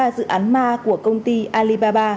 bốn mươi ba dự án ma của công ty alibaba